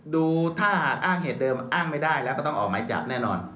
ดูถ้าหากอ้างเหตุเดิมอ้างไม่ได้แล้วก็ต้องออกหมายจับแน่นอน